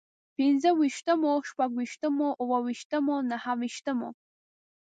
پنځه ويشتمو، شپږ ويشتمو، اووه ويشتمو، نهه ويشتمو